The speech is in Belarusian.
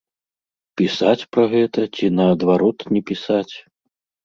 Пісаць пра гэта ці, наадварот, не пісаць?